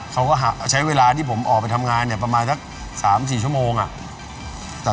เขาก็ใช้เวลาที่ผมออกไปทำงานเนี่ยประมาณสัก๓๔ชั่วโมงอ่ะ